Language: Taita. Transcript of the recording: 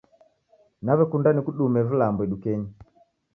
Naw'ekunda nikudume vilambo idukenyi.